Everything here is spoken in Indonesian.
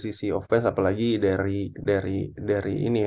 sisi offense apalagi dari